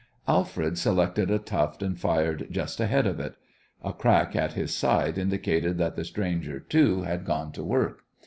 Alfred selected a tuft and fired just ahead of it. A crack at his side indicated that the stranger, too, had gone to work.